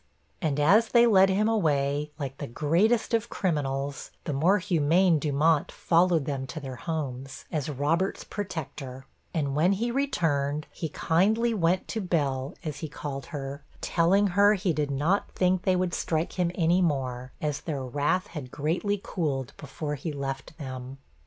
And as they led him away, like the greatest of criminals, the more humane Dumont followed them to their homes, as Robert's protector; and when he returned, he kindly went to Bell, as he called her, telling her he did not think they would strike him any more, as their wrath had greatly cooled before he left them.